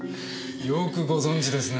よくご存じですね。